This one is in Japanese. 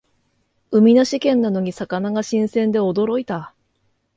海なし県なのに魚が新鮮で驚いた